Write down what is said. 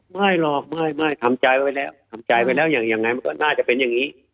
ไม่หรอกไม่ทำใจไว้แล้วทำใจไว้แล้วอย่างยังไงมันก็น่าจะเป็นอย่างนี้